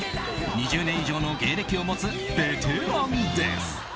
２０年以上の芸歴を持つベテランです。